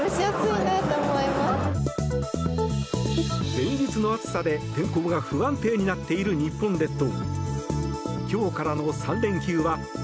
連日の暑さで天候が不安定になっている日本列島。